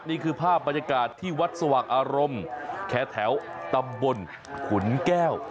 นี่คือภาพบรรยากาศที่วัดสว่างอารมณ์แค่แถวตำบลขุนแก้ว